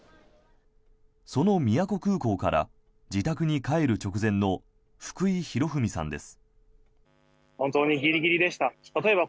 その宮古空港から自宅に帰る直前の福井博文さんです。